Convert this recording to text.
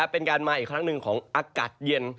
เป็นการมาอีกครั้งหนึ่งของอากาศเย็น